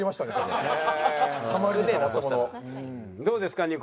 どうですか？